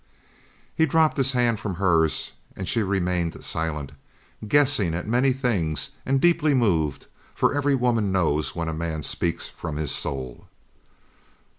He dropped his hand from hers and she remained silent, guessing at many things, and deeply moved, for every woman knows when a man speaks from his soul.